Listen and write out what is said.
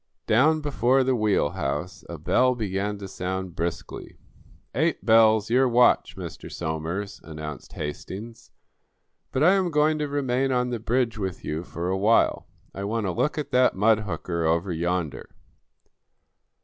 Down before the wheelhouse a bell began to sound briskly. "Eight bells; your watch, Mr. Somers," announced Hastings. "But I am going to remain on the bridge with you for a while. I want a look at that mud hooker over yonder."